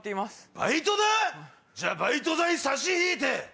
バイトだ⁉じゃあバイト代差し引いて。